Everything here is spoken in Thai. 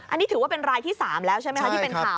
อันนี้ถือว่าเป็นรายที่๓แล้วใช่ไหมคะที่เป็นข่าว